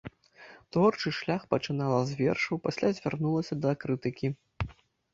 Творчы шлях пачынала з вершаў, пасля звярнулася да крытыкі.